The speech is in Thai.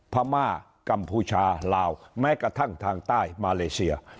พม่ากัมพูชาลาวแม้กระทั่งทางใต้มาเลเซีย